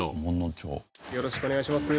よろしくお願いします。